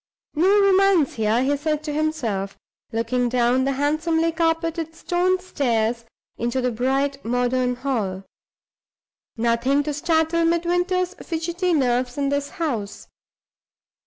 "No romance here," he said to himself, looking down the handsomely carpeted stone stairs into the bright modern hall. "Nothing to startle Midwinter's fidgety nerves in this house."